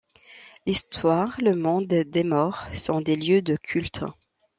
L'histoire, le monde des morts sont des lieux de culte.